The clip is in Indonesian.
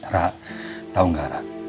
rara tau gak rara